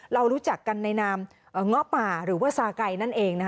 เรารู้จักกันในนามเงาะป่าหรือว่าซาไก่นั่นเอง